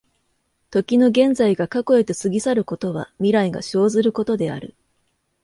時の現在が過去へと過ぎ去ることは、未来が生ずることである。